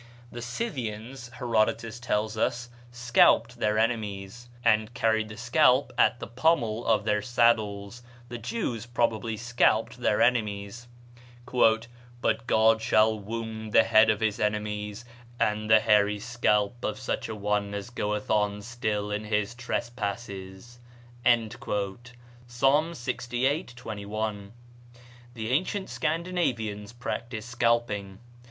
The Scythians, Herodotus tells us, scalped their enemies, and carried the scalp at the pommel of their saddles; the Jews probably scalped their enemies: "But God shall wound the head of his enemies, and the hairy scalp of such a one as goeth on still in his trespasses." (Psa., lxviii., 21.) The ancient Scandinavians practised scalping.